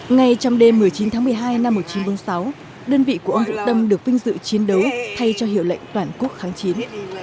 ngay trong đêm một mươi chín tháng một mươi hai năm một nghìn chín trăm bốn mươi sáu đơn vị của ông vũ tâm được vinh dự chiến đấu thay cho hiệu lệnh toàn quốc kháng chiến